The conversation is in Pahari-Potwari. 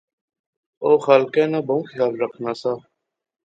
او خالقے ناں بہوں خیال رکھنا سا